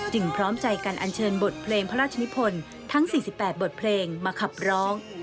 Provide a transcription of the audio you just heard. พร้อมใจกันอันเชิญบทเพลงพระราชนิพลทั้ง๔๘บทเพลงมาขับร้อง